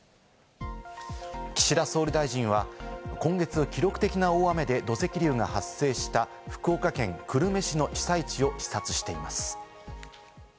岸田総理大臣は今月、記録的な大雨で土石流が発生した福岡県久留米市の被災地を視察しています。